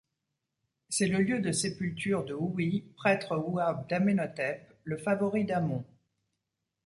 C'est le lieu de sépulture de Houy, prêtre ouab d'Amenhotep, le favori d'Amon.